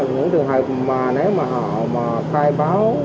những trường hợp mà nếu mà họ khai báo